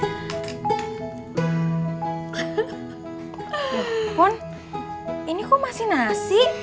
ya pun ini kok masih nasi